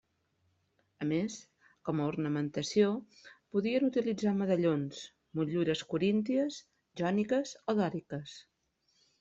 A més, com a ornamentació podien utilitzar medallons, motllures corínties, jòniques o dòriques.